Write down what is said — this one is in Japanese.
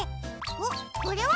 おっこれは？